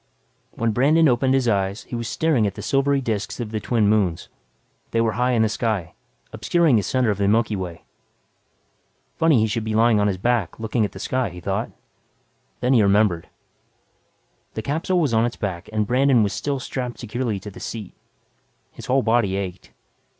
When Brandon opened his eyes he was staring at the silvery disks of the twin moons. They were high in the sky, obscuring the center of the Milky Way. Funny he should be lying on his back looking at the sky, he thought. Then he remembered. The capsule was on its back and Brandon was still strapped securely to the seat. His whole body ached.